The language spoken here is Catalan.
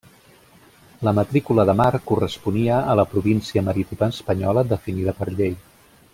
La matrícula de mar corresponia a la província marítima espanyola definida per llei.